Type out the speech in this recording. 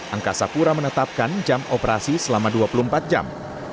angkasa pura menetapkan jam operasi selama dua puluh empat jam